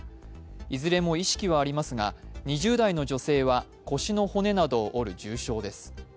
いずれも意識はありますが、２０代の女性は腰の骨などを折る重傷です。